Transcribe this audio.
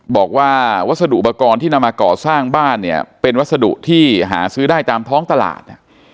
บอกว่าวัสดุอุปกรณ์ที่นำมาก่อสร้างบ้านเนี่ยเป็นวัสดุที่หาซื้อได้ตามท้องตลาด